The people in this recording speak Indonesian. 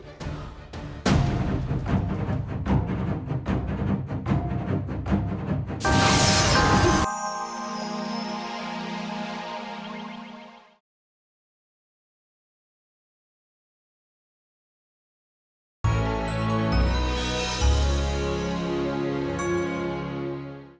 kau harus berjanji